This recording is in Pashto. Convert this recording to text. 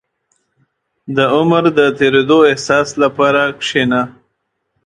• د عمر د تېرېدو احساس لپاره کښېنه.